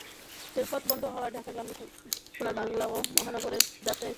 রেলপথ বন্ধ থাকায় ঢাকাগামী সোনার বাংলা ও মহানগরের যাত্রা স্থগিত রাখা হয়েছে।